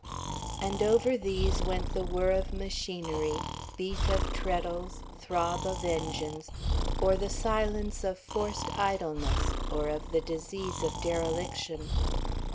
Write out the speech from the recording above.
And over these went the whirr of machinery, beat of treadles, throb of engines, or the silence of forced idleness, or of the disease of dereliction.